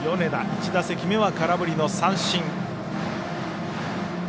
１打席目は空振りの三振。